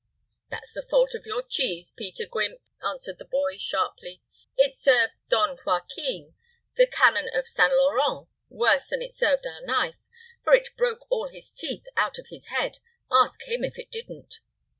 "That's the fault of your cheese, Peter Guimp," answered the boy, sharply. "It served Don Joachim, the canon of St. Laurent, worse than it served our knife, for it broke all the teeth out of his head. Ask him if it didn't."